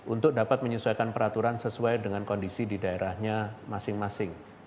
untuk dapat menyesuaikan peraturan sesuai dengan kondisi di daerahnya masing masing